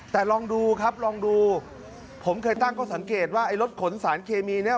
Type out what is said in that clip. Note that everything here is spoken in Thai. แต่ลองดูครับลองดูผมเคยตั้งข้อสังเกตว่าไอ้รถขนสารเคมีเนี่ย